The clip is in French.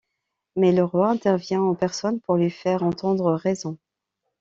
Mais Leroi intervient en personne pour lui faire entendre raison.